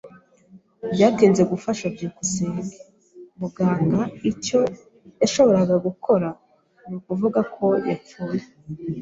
Byatinze gufasha byukusenge. Muganga icyo yashoboraga gukora nukuvuga ko yapfuye.